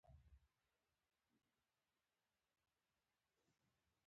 کوم غږ يې وانه ورېد.